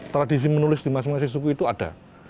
tradisi menulis di masing masing suku itu ada